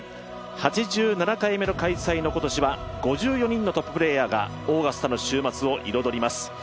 ８７回目の開催の今年は５４人のトッププレーヤーがオーガスタの週末を彩ります。